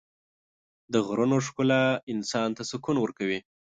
د غرونو ښکلا انسان ته سکون ورکوي.